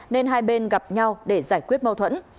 nên hai bên gặp nhau để giải quyết mâu thuẫn